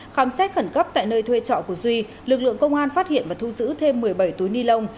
khám xét khẩn cấp tại nơi thuê trọ của duy lực lượng công an phát hiện và thu giữ thêm một mươi bảy túi ni lông